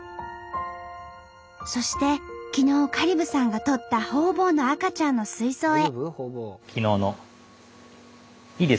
そして昨日香里武さんがとったホウボウの赤ちゃんの水槽へ。